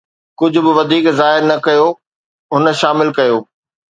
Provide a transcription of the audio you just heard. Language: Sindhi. ڪجھ به وڌيڪ ظاهر نه ڪيو، هن شامل ڪيو